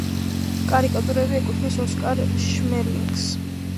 კარიკატურები ეკუთვნის ოსკარ შმერლინგს.